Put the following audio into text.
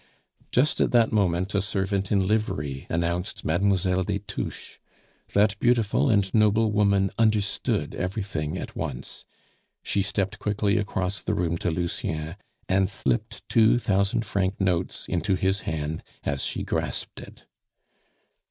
Just at that moment a servant in livery announced Mlle. des Touches. That beautiful and noble woman understood everything at once. She stepped quickly across the room to Lucien, and slipped two thousand franc notes into his hand as she grasped it.